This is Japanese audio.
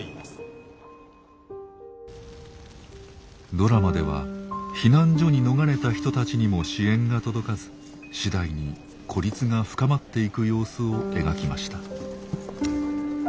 ドラマでは避難所に逃れた人たちにも支援が届かず次第に孤立が深まっていく様子を描きました。